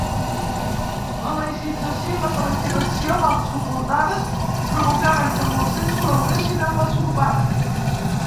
La laïcització i la col·lectivització mal suportades provocaren que molts d'ells col·laboressin amb els ocupants.